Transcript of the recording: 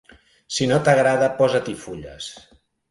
Si no t'agrada, posa-t'hi fulles.